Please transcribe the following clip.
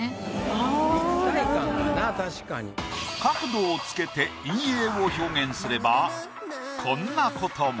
ああ角度を付けて陰影を表現すればこんなことも。